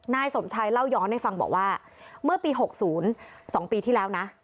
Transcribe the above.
นายสมชัยเล่าย้อนให้ฟังบอกว่าเมื่อปี๖๐๒ปีที่แล้วนะ